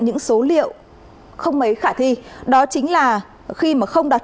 những số liệu không mấy khả thi đó chính là khi mà không đặt